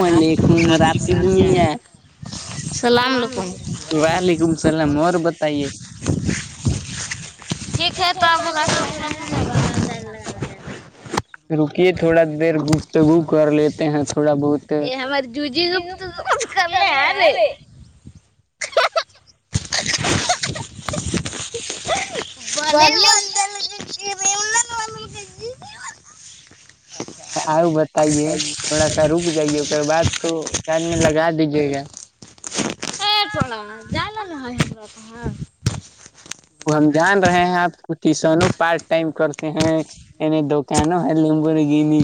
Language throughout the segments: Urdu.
وعلیکم راشد نہیں ہے سلاملم وعلیکم السلام اور بتائیے [inaudible] رکیے تھوڑا دیر گفتگو کر لیتے ہیں تھوڑا بہت یہ ہماری جوجی گت کر لے یارے [inaudible] [inaudible] [inaudible] آؤ بتائیے تھوڑا سا رک جائیے اے بعد تو چاند میں لگا دیجیے گا پڑا جا لے لے وہ ہم جان رہے ہیں آپ کو ٹیوشنوں پارٹ ٹائم کر [unintelligible]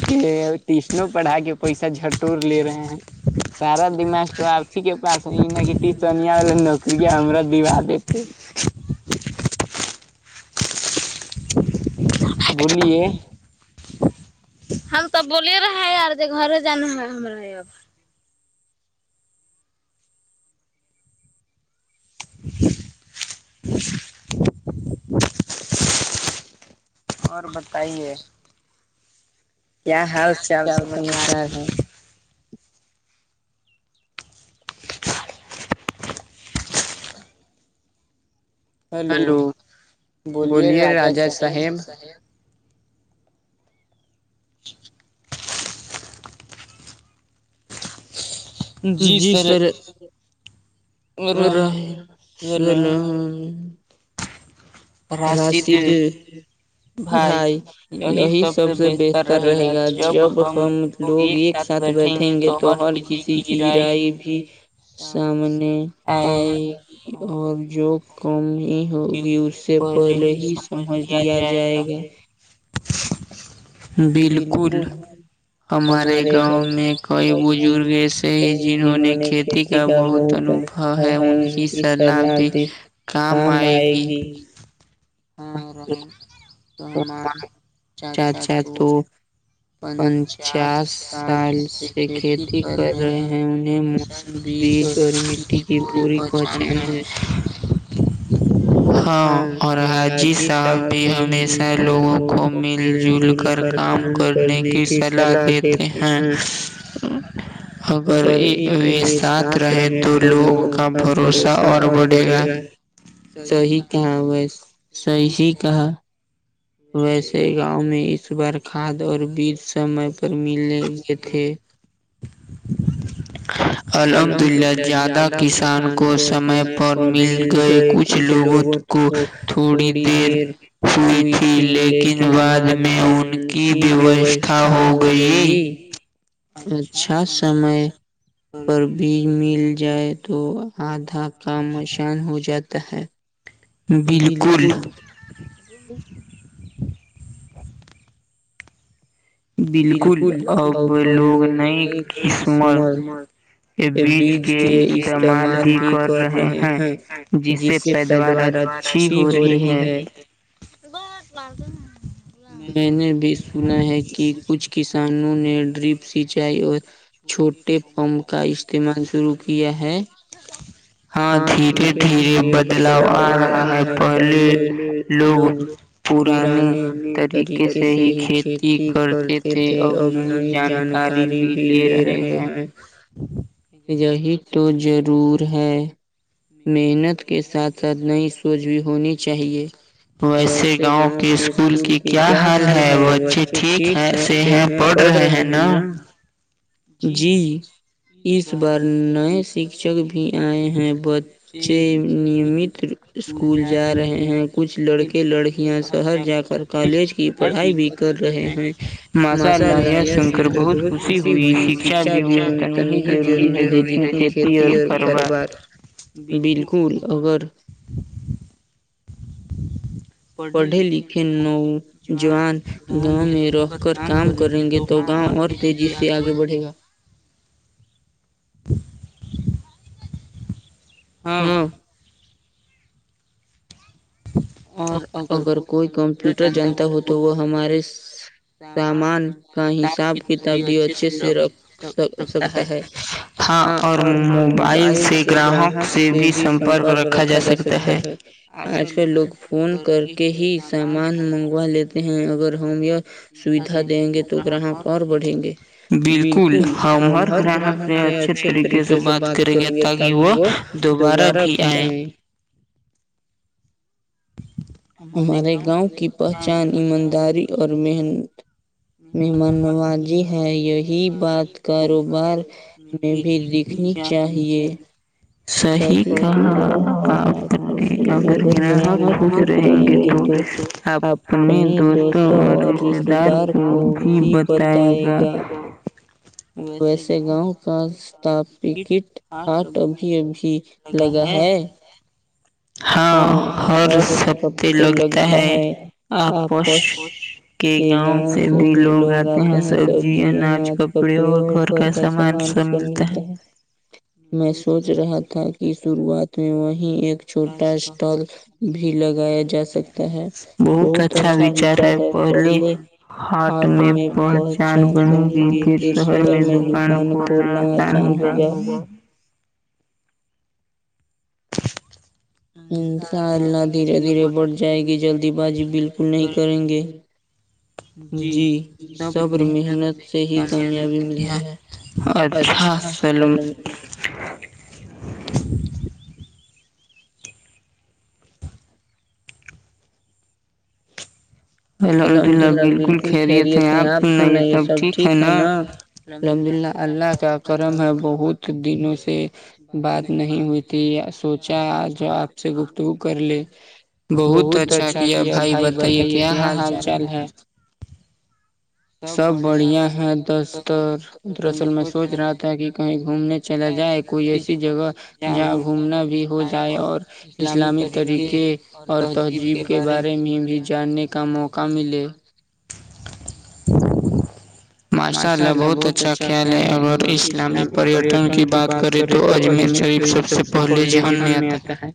کہ ٹیوشن پڑھا کے پیسہ جھٹور لے رہے ہیں [inaudible] سارا دما خ آابسی کے پاس یہ نا ٹیو سنیا والا نوکری ہما دوا دیتے بولیے ہم توب بولیے رہا ہے ار گھر جانا ہے ہما اب [inaudible] اور بتائیے کیا حال چال سب اچھا ہیلو بولیے راجہ صاحب جی سر [unintelligible] راشد بھائی یہی سب سے بہتر رہے گا جب ہم لوگ ایک ساتھ بیٹھیں گے تو ہر کسی کی رائی بھی سامنے آئے گی اور جو کام ہی ہوگی اس سے پہلے ہی سمجھ لیا جائے گا بالکل ہمارے گاؤں میں کئی بزرگ ایسے ہی جنہوں نے کھیتی کا بہت ان ہے ان کی سلاح بھی کام آئے گی [unintelligible] پچاس سال سے کھیتی کر رہے ہیں انہیں موس بیج اور مٹی کی پوری پہچان ہے ہاں اور حاجی صاحب بھی ہمیشہ لوگوں کو مل جل کر کام کر نے کی سلاح دیتے ہیں اگر و ساتھ رہیں تو لوگ کا بھروسہ اور بڑھے گا [unintelligible] صحیح کہاں بھائی صحیح کہا ویسے گاؤں میں اس بار کھاد اور بیج سمے پر ملنے گئے تھے الحمد للہ زیادہ کسان کو سمے پر مل گئے کچھ لوگوں کو تھوڑی دیر ہوئی تھی لیکن بعد میں ان کی کی بیوستھا ہو گئی اچھا سمے پر بھی مل جائے تو آگ کام آسان ہو جاتا ہے بالکل بالکل اب لوگ نئی قسمت بیج کے استعمال بھی کر رہے ہیں جسے پیدوار اچھی ہو رہی ہے بہت میں نے بھی سنا ہے کہ کچھ کسانوں نے ڈرریپ سچائی اور چھوٹے پمپ کا استعمال شروع کیا ہے ہاں دھیرے دھیرے بدلاؤ آ رہا ہے پہلے لوگ پرانی تری قے سے ہی کھیتی کرتے تھے اب نئی جانکاری بھی لے رہے ہیں یہی تو ضرور ہے محنت کے ساتھ ساتھ نئی سوچ بھی ہونی چاہیئے ویسے گاؤں کے اسکول کی کیا حال ہے وہ بچے ٹھیک ہے ایسے ہیں پڑ رہے ہیں نا جی اس بار نئے شکشک بھی آئے ہیں ب چ نمت اسکول جا رہے ہیں کچھ لڑکے لڑکیاں شہر جا کر کالج کی پڑھائی بھی کر رہے ہیں ماشاء اللہ یہ سن کر بہت خوشی ہوئی شکشا بھی اتنی ہی ضروری ہے جتنی کھیتی اور کاروبار بالکل اگر پڑھے لکھے نوجوان گاؤں میں رہ کر کام کریں گے تو تو گاؤں اور تیزی سے آگے بڑھے گا ہوں اور اگر کوئی کمپیوٹر جانتا ہو تو وہ ہمارے سامان کا حساب کتاب بھی اچھے سے رکھ س سکتا ہے ہاں اور موبائل سے گراہک سے بھی سمپرک رکھا جا سکتا ہے آج کل لوگ فون کر کے ہی سامان منگوا لیتے ہیں اگر ہم ی سوھا دیں گے تو گراہک اور بڑھیں گے بالکل ہم ہر گراہک سے اچھا اچھے طریقے سے بات کریں گے تاکہ وہ دوبارہ بھی آئیں ہمارے گاؤں کی پہچان ایمانداری اور محنت م منوازی ہے یہی بات کاروبار میں بھی دکھنی چاہیے صی کہا آپ نے اگر گراہک خوش رہیں گے تو اپنے دوستوں اور رشتے دار کو بھی بتا ان کا ویسے گاؤں کا سپٹ ہٹ ابھی ابھی لگا ہے ہاں اور سب سے لگتا ہے آپس کے گاؤں سے بھی لوگ آتے ہیں سبزی اناج ک کپڑے اور گھر کا سامان سب ملتا ہے میں سوچ رہا تھا کہ کی شروعات میں وہیں ایک چھوٹا اسٹال بھی لگایا جا سکتا ہے بہت اچھا وچار ہے کولی ہاٹ میں پہچان بنے گئی پ شہر میں دکان کھولنا آسان ہوگا انشاء اللہ دھیرے دھیرے بڑٹھ جائے گی جلدی بازی بالکل نہیں کریں گے جی صبر محنت سے ہی کامیابی ملتی ہے اچھا سلام علیکم [unintelligible] الحمد للہ بالکل خیریت ہے آپ سننا یہ سب ٹھیک ہے نا الحمد اللہ اللہ کا کرم ہے بہت دنوں سے بات نہیں ہوئی ت سوچا جو آپ سے گفتگو کر لے بہت اچھا کیا بھائی بتائیے کیا حال چال ہے سب بڑھیا ہے دستر دراصل میں سوچ رہا تھا کہ کہیں گھومنے چلا جائے کوئی ایسی جگہ جہاں گھومنا بھی ہو جائے اور اسلامی طریقے اور تہذیب کے بارے میں بھی جاننے کا موقع ملے ماشاء اللہ بہت اچھا خیال ہے اگر اسلامک پریٹن کی بات کریں تو اجمیر شریف سے سب سے پہلے جیون میں آتا ہے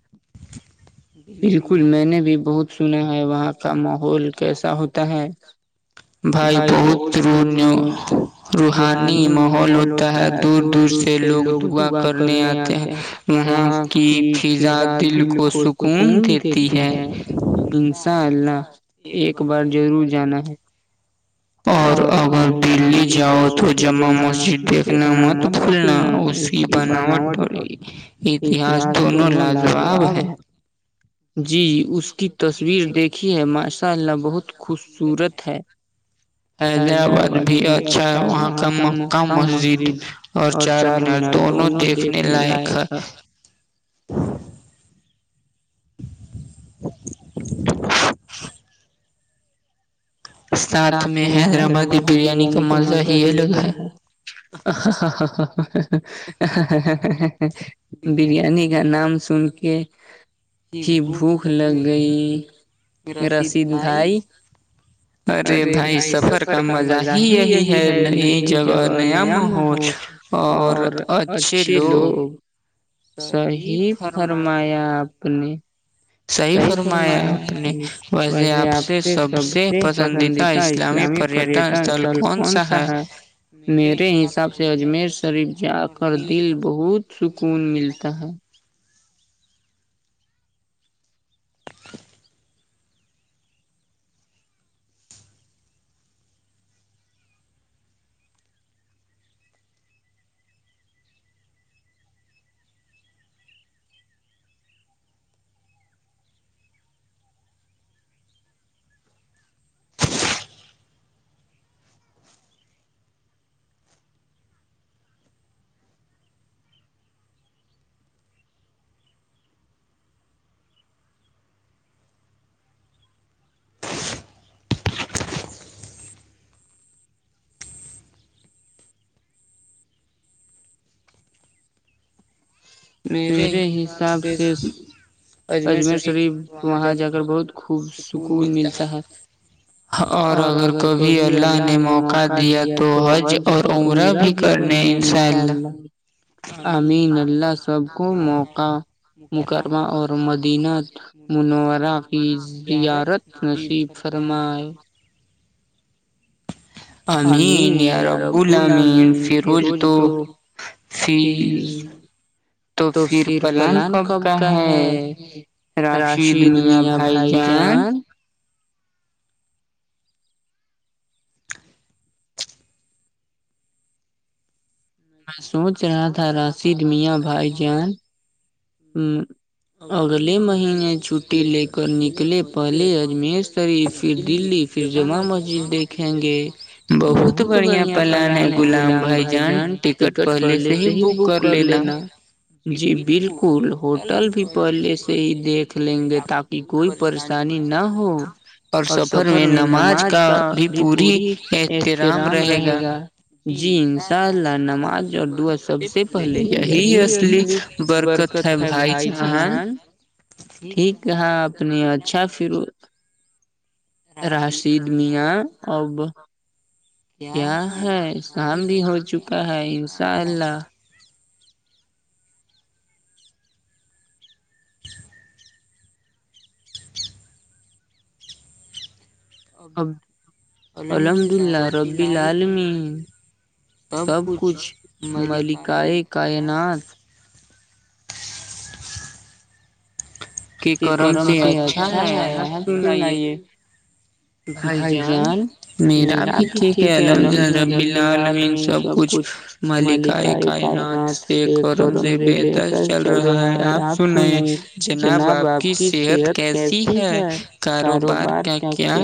بالکل میں نے بھی بہت سنا ہے وہاں کا ماحول کیسا ہوتا ہے بھائی ب و روحانی ماحول ہوتا ہے دور دور سے لوگ دعا کرنے آتے ہیں وہاں کی فضا دل کو سکون دیتی ہے انساء اللہ ایک بار ضرور جانا ہے اور اگر دلی جاؤ تو جمع مسجد دیکھنا مت مکلنا ا سی بناوٹ اتہاس دونوں لادو آاب جی اس کی تصویر دیکھ د ہے ماشاء اللہ بہت خوبصورت ہے ید آباد بھی اچھا ہے وہاں کا مککہ مسجد اور چار مینار دونوں دیکھنے لائق ہاں ساتھ میں حیدرآبادی بریانی کا مزہ ہی الگ ہے [inaudible] بریانی کا نام سن کے ہی بھوک لگ گئی رشد بھائی ارے بھائی سفر کا مزہ ہی یہی ہے نئی جگہ نیا محول اور اچھے لوگ صحیح فرمایا پنی صحی فرمایا آ نے ویسے آپ سے سب سے پسندیدہ اسلامی پریٹن استل کون سا ہے میرے حساب سے اجمیر شریف جا کر دل بہت سکون ملتا ہے [inaudible] ج [inaudible] میرے حساب سے اجمیر شریف وہاں جا کر بہت خوب سکون ملتا ہے اور اگر کبھی اللہ نے موقع دیا تو حج اور عمرہ کرنے انشاء اللہ آمین اللہ سب کو موقع مکرمہ اور مدینہت منورا کی زیارت نصیب فرمائے امین یار ربوال امین فروز تو فی تو پھر پلان کب کا ہے راشد میاں بھائی جان میں سوچ رہا تھا راشد میاں بھائی جان ہوں اگلے مہینے چھٹی لے کر نکلے پہلے اجمیر تری پھر دلی پھر جامع مسجد دیکھیں گے بہت بڑھیا پلان ہے گلام بھائی جان ٹکٹ پہلے سے ہی بک کر لینا جی بالکل ہوٹل بھی پہلے سے ہی دیکھ لیں گے تاکہ کوئی پریشانی نہ ہو اور سفر میں نماز کا بھی پوری احترام رہے گا جی انشاء اللہ نماز اور دعا سب سے پہلے یہی اصلی برکت ہے بھائی جہان ٹھیک ہے ہاں اپنی اچھا فھرو راشد میاں اب کیا ہے کاام بھی ہو چکا ہے انشاء اللہ [inaudible] ج ا الحمد اللہ ربی لالمیین سب کچھ ملکائے کائنات کہ کرم سے اچھا ہے سننا یہ بھائی جان میرا بھی ٹھیک ہے الحمد للہ ربی لال مین سب کچھ ملکاائے کائنات سے کرم سے بہتر چل رہا ہے آپ سن جناب آپ کی صحت کیسی ہے کاروبار کا کیا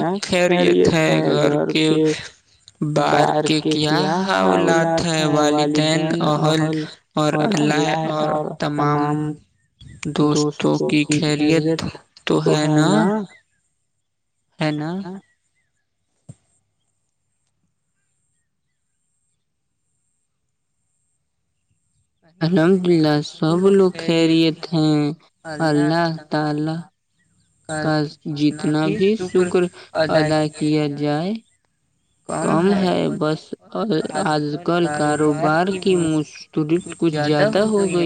ریت ہے گھر کے بار کے کیا حوالات ہیں والدین ال اور اللہلہ اور تمام دوستوں کی خیریت تو ہے نا ہے نا [unintelligible] کا جتنا بھی شکر ادا کیا جائے کم ہے بس آج کل کاروبار کی مش ترت کچھ زیادہ ہو گئی